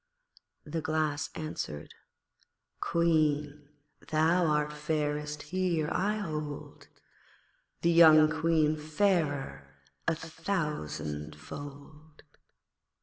The Glass answered 'Queen, thou art fairest here, I hold, The young Queen fairer a thousandfold.'